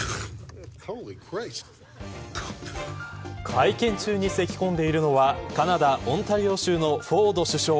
会見中にせき込んでいるのはカナダオンタリオ州のフォード首相。